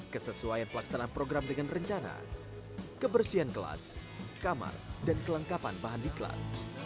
kesesuaian pelaksanaan program dengan rencana kebersihan kelas kamar dan kelengkapan bahan diklat